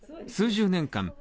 数十年間